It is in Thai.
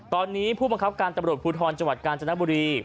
ตอนนี้ผู้บังคับการตำรวจภูทรจังหวัดกาญจนบุรี